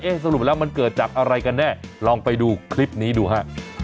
สรุปแล้วมันเกิดจากอะไรกันแน่ลองไปดูคลิปนี้ดูฮะ